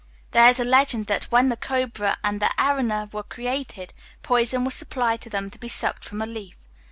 There is a legend that, "when the cobra and the arana were created, poison was supplied to them, to be sucked from a leaf.